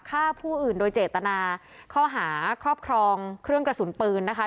ฆ่าผู้อื่นโดยเจตนาข้อหาครอบครองเครื่องกระสุนปืนนะคะ